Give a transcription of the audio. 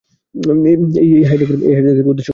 এই হাইজ্যাকের উদ্দেশ্য কী জানো?